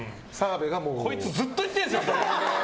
こいつずっと言ってるんですよ。